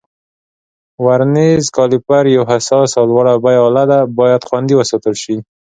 ورنیر کالیپر یو حساس او لوړه بیه آله ده، باید خوندي وساتل شي.